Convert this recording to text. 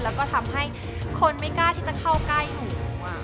แล้วก็ทำให้คนไม่กล้าที่จะเข้าใกล้หนู